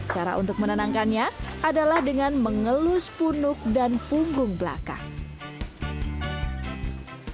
cara untuk menenangkannya adalah dengan mengelus punuk dan punggung belakang